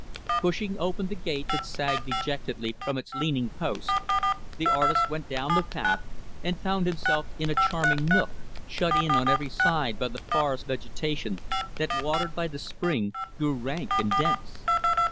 Pushing open the gate that sagged dejectedly from its leaning post, the artist went down the path, and found himself in a charming nook shut in on every side by the forest vegetation that, watered by the spring, grew rank and dense.